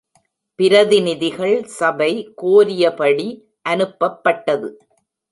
பிரதிநிதிகள் சபை கோரியபடி அனுப்பப்பட்டது.